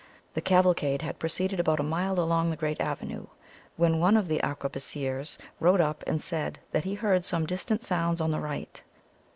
The cavalcade had proceeded about a mile along the great avenue, when one of the arquebusiers rode up and said that he heard some distant sounds on the right.